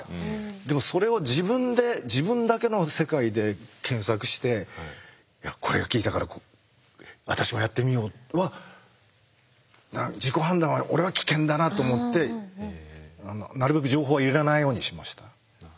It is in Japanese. でもそれを自分で自分だけの世界で検索して「いやこれが効いたから私もやってみよう」は自己判断は俺は危険だなと思ってなるべく情報は入れないようにしました。